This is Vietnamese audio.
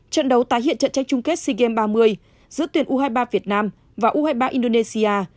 trận đấu tái hiện trận tranh chung kết sea games ba mươi giữa tuyển u hai mươi ba việt nam và u hai mươi ba indonesia